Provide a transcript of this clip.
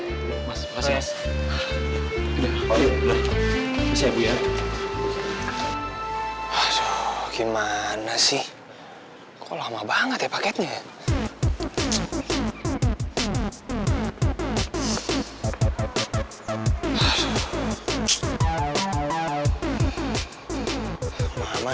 hai mas faisal oh iya ya bu ya aduh gimana sih kok lama banget ya paketnya